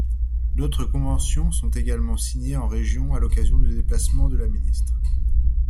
D’autres conventions sont également signées en régions à l’occasion de déplacements de la ministre.